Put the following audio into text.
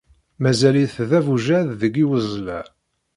Mazal-it d abujad deg iweẓla.